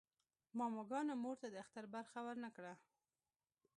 ماماګانو مور ته د اختر برخه ورنه کړه.